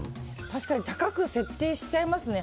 確かに高く設定しちゃいますね。